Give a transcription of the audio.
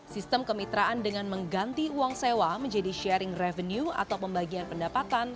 sistem kemitraan dengan mengganti uang sewa menjadi sharing revenue atau pembagian pendapatan